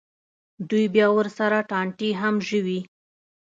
دوی بیا ورسره ټانټې هم ژووي.